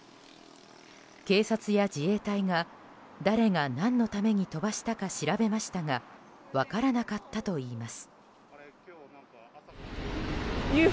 警察や自衛隊が、誰が何のために飛ばしたか調べましたが分からなかったといいます。